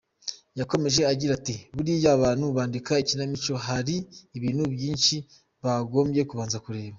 Yakomeje agira ati “Buriya abantu bandika ikinamico, hari ibintu byinshi bagombye kubanza kureba.